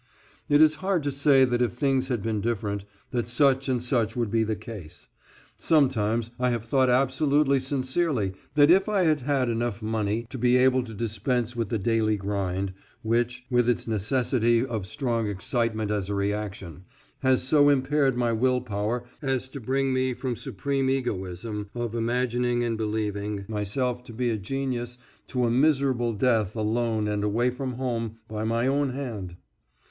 It is hard to say that if things had been different that such and such would be the case. Sometimes I have thought absolutely sincerely that if I had had enough money to be able to dispense with the daily grind, which, with its necessity of strong excitement as a reaction, has so impaired my will power as to bring me from supreme egoism of imagining and believing myself to be a genius to a miserable death alone and away from home by my own hand.